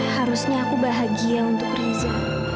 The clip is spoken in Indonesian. harusnya aku bahagia untuk riza